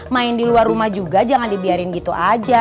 main di luar rumah juga jangan dibiarin gitu aja